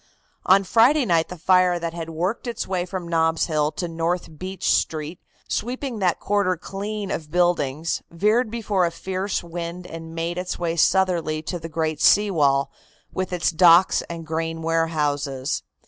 On Friday night the fire that had worked its way from Nob's Hill to North Beach Street, sweeping that quarter clean of buildings, veered before a fierce wind and made its way southerly to the great sea wall, with its docks and grain warehouses.